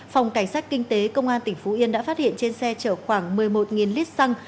phòng cảnh sát kinh tế công an tỉnh phú yên đã phát hiện trên xe chở khoảng một mươi một lít xăng